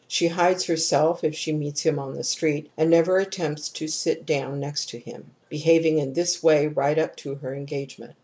She hides herself if she meets him on the street and never attempts to sit down next to him, behaving in this way right up to her engagement.